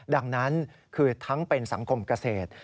ดังนั้นคือทั้งเป็นสังคมเกษตร